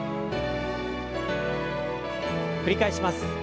繰り返します。